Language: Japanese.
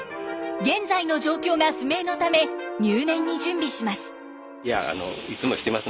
現在の状況が不明のため入念に準備します。